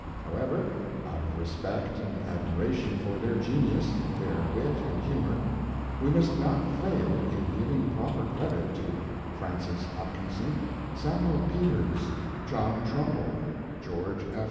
How ever, out of respect and admiration for their genius, their wit and humor, we must not fail in giving proper credit to Francis Hopkinson, Samuel Peters, John 8 Mark Twain Trumbull, George F.